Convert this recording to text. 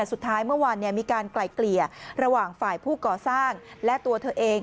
เมื่อวานมีการไกลเกลี่ยระหว่างฝ่ายผู้ก่อสร้างและตัวเธอเอง